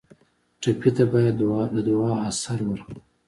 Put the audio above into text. ټپي ته باید د دعا اثر ورکړو.